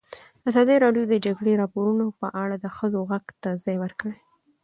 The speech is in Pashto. ازادي راډیو د د جګړې راپورونه په اړه د ښځو غږ ته ځای ورکړی.